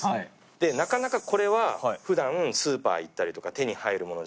でなかなかこれは普段スーパー行ったりとか手に入るものじゃなく。